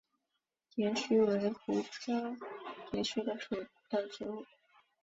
蝶须为菊科蝶须属的植物。